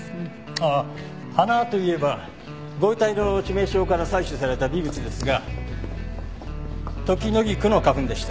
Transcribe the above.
ああ花といえばご遺体の致命傷から採取された微物ですがトキノギクの花粉でした。